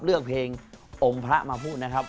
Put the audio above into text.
เลือกเพลงองค์พระมาพูดนะครับ